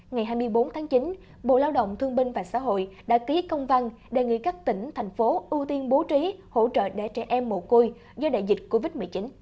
ngày hai mươi bốn tháng chín bộ lao động thương binh và xã hội đã ký công văn đề nghị các tỉnh thành phố ưu tiên bố trí hỗ trợ để trẻ em mồ côi do đại dịch covid một mươi chín